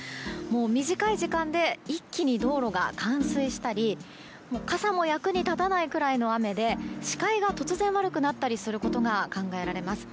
短い時間で一気に道路が冠水したり傘も役に立たないくらいの雨で視界が突然悪くなったりすることが考えられます。